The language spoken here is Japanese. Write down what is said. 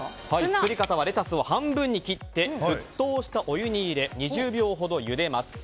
作り方はレタスを半分に切って沸騰したお湯に入れ２０秒ほどゆでます。